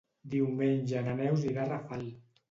Diumenge na Neus irà a Rafal.